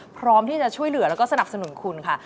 พร้อมที่จะช่วยเหลือแล้วก็สนับสนุนคุณค่ะ